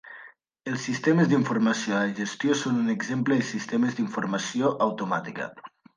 Els sistemes d'informació de la gestió són un exemple de sistemes d'informació automàtica.